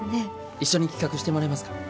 一緒に企画してもらえますか？